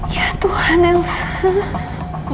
ya tuhan elsa